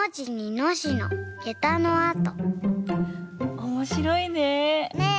おもしろいねぇ。ね。